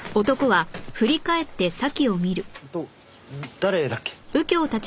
誰だっけ？